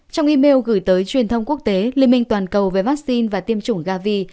trong email gửi tới truyền thông quốc tế liên minh toàn cầu về vaccine và tiêm chủng gavi